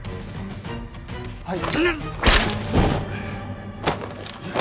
はい。